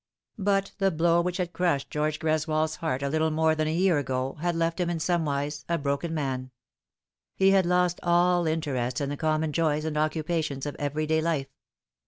But the blow which had crushed George Greswold's heart a little more than a year ago had left him in somewise a broken man. He had lost all interest in the common joys and occupations of every day life.